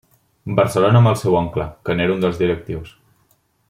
Barcelona amb el seu oncle, que n'era un dels directius.